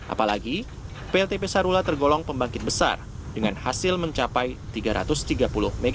apalagi pltp sarula tergolong pembangkit besar dengan hasil mencapai tiga ratus tiga puluh mw